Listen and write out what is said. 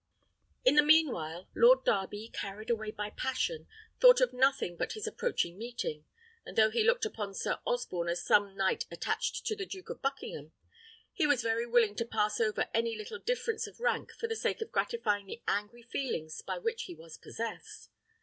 In the mean while, Lord Darby, carried away by passion, thought of nothing but his approaching meeting; and though he looked upon Sir Osborne as some knight attached to the Duke of Buckingham, he was very willing to pass over any little difference of rank for the sake of gratifying the angry feelings by which he was possessed.